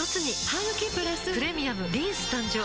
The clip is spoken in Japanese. ハグキプラス「プレミアムリンス」誕生